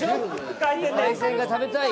「海鮮が食べたい」。